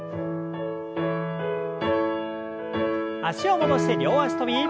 脚を戻して両脚跳び。